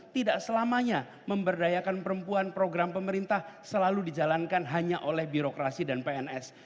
tidak selamanya memberdayakan perempuan program pemerintah selalu dijalankan hanya oleh birokrasi dan pns